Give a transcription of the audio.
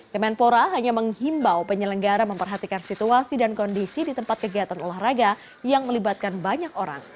kemenpora hanya menghimbau penyelenggara memperhatikan situasi dan kondisi di tempat kegiatan olahraga yang melibatkan banyak orang